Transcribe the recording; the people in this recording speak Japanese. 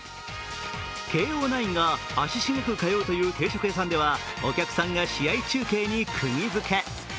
慶応ナインが足しげく通うという定食屋さんにはお客さんが試合中継に釘付け。